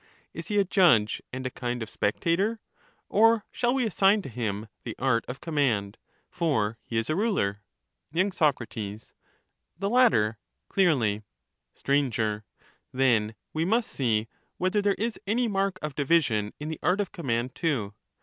— Is he a judge and a kind of spectator? Or shall f^o^iedge we assign to him the art of command — for he is a ruler ? command Y. Soc. The latter, clearly. 1^ feUs Str. Then we must see whether there is any mark of in that division in the art of command too.